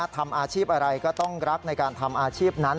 ทำอาชีพอะไรก็ต้องรักในการทำอาชีพนั้น